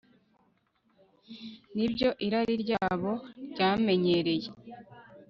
nibyo irari ryabo ryamenyereye